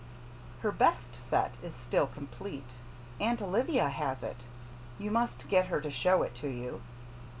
Her best set is still complete. Aunt Olivia has it. You must get her to show it to you.